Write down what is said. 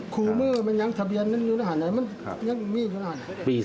คูมือมันยังทะเบียนอยู่ในอาหารไหนมันยังมีอยู่ในอาหารไหน